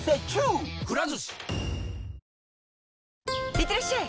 いってらっしゃい！